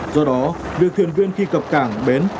do đó việc thuyền viên khi cập cảng bến